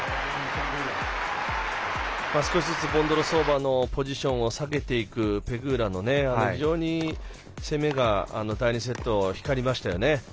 少しずつボンドロウソバのポジションを下げていくペグーラの攻めが第２セットは光りましたよね。